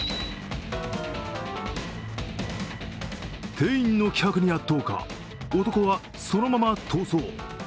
店員の気迫に圧倒か、男はそのまま逃走。